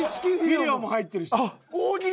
フィレオも入ってるし。